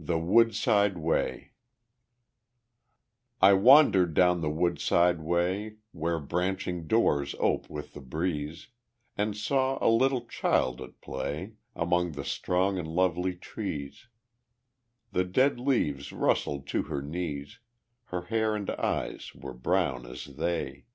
The Woodside Way I wandered down the woodside way, Where branching doors ope with the breeze, And saw a little child at play Among the strong and lovely trees; The dead leaves rustled to her knees; Her hair and eyes were brown as they.